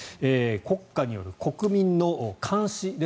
国家による国民の監視